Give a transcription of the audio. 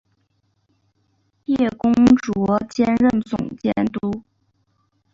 叶恭绰兼任总监督。